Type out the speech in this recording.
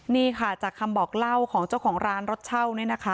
นี่ค่ะจากคำบอกเล่าของเจ้าของร้านรถเช่าเนี่ยนะคะ